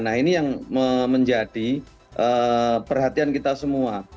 nah ini yang menjadi perhatian kita semua